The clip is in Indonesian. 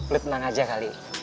lo tenang aja kali